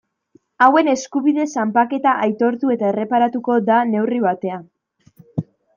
Hauen eskubide zanpaketa aitortu eta erreparatuko da neurri batean.